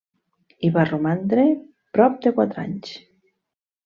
Hi va romandre prop de quatre anys.